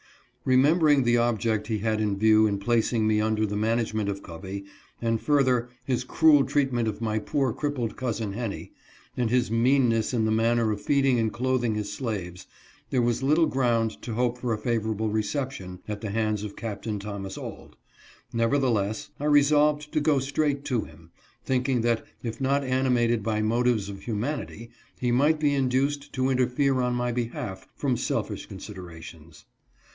Remembering the object he had in view in placing me under the management of Covey, and further, his cruel treatment of my poor crippled cousin Henny, and his meanness in the matter of feeding and clothing his slaves, there was little ground to hope for a favorable reception at the hands of Capt. Thomas Auld. Nevertheless, I resolved to go straight to him, thinking that, if not ani mated by motives of humanity, he might be induced to interfere on my behalf from selfish considerations.